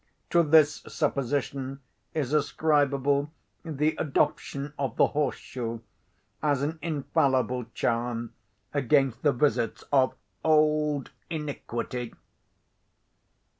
To this supposition is ascribable the adoption of the horse shoe, as an infallible charm against the visits of old Iniquity."